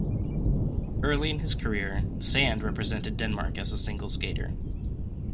Early in his career, Sand represented Denmark as a single skater.